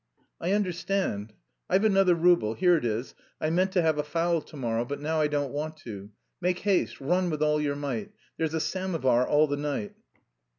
"I understand. I've another rouble. Here it is. I meant to have a fowl to morrow, but now I don't want to, make haste, run with all your might. There's a samovar all the night."